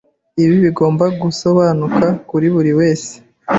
Ibi bigomba gusobanuka kuri buri wese.